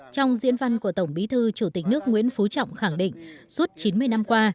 trong diễn văn của tổng bí thư chủ tịch nước nguyễn phú trọng khẳng định suốt chín mươi năm qua